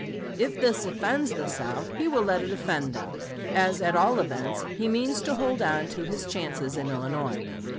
If this offends the South, he will let it offend them, as at all events he means to hold on to his chances in Illinois."